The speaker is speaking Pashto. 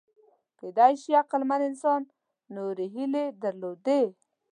کېدای شي عقلمن انسان نورې هیلې درلودې.